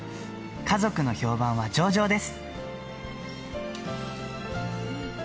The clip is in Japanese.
家族の評判は上々です。